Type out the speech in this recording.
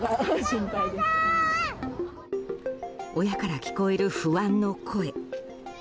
親から聞こえる不安の声。